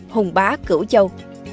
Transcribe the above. hùng bá cửu châu